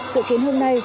sự kiến hôm nay